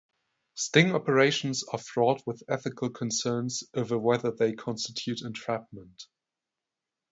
Sting operations are fraught with ethical concerns over whether they constitute entrapment.